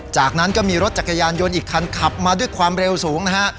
จากนั้นก็มีรถจักรยานยนต์อีกคันขับมาด้วยความเร็วสูงนะฮะ